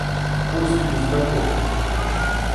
Пуск ездоков.